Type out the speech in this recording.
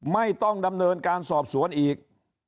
ไม่ต้องดำเนินการสอบสวนอีก